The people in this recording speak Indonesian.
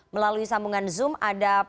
melalui sambungan zoom ada pilihan dari pilihan